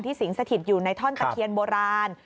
สิงสถิตอยู่ในท่อนตะเคียนโบราณ